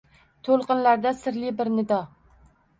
To’lqinlarda sirli bir nido